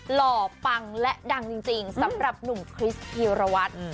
หล่อปังและดังจริงสำหรับหนุ่มคริสธีรวัตร